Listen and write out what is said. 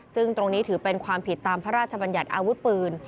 ซึ่งตรงนี้ถือเป็นความผิดตามพระราชบัญญัติอาวุธปืน